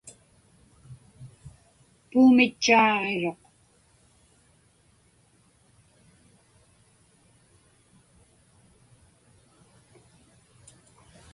Puumitchaaġiruq.